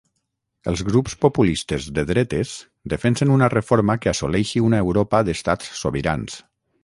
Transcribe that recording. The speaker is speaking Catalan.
Els grups populistes de dretes defensen una reforma que assoleixi una Europa d'estats sobirans.